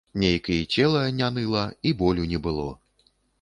Нейк і цела не ныла, і болю не было.